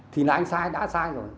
thì là anh sai đã sai rồi